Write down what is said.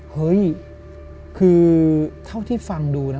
เฮ้ยคือเท่าที่ฟังดูนะ